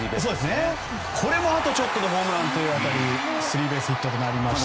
これもあとちょっとでホームランという当たりでスリーベースになりました。